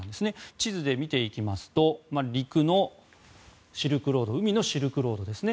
地図で見ていきますと陸のシルクロード海のシルクロードですね。